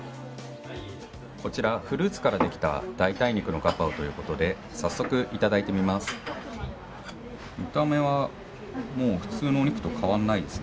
こちらフルーツからできた代替肉のガパオということで早速、いただいてみます。